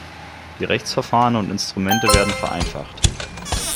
Die Rechtsverfahren und -instrumente werden vereinfacht.